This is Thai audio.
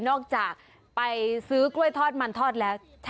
นอกจากไปซื้อกล้วยทอดมันทอดแล้ว